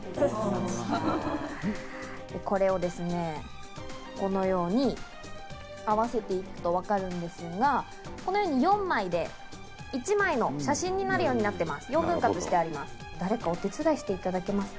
で、これをですね、このように合わせていくとわかるんですが、このように４枚で１枚の写真になるようになってます。